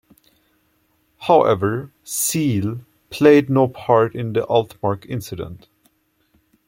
However "Seal" played no part in the Altmark incident.